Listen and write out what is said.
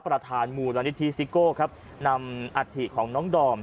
ประธานหมู่รณิธีซิกโก้ครับนำอาทิตย์ของน้องดอม